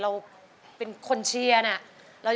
เราเป็นคนเชียร์นะ